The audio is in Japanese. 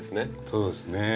そうですね。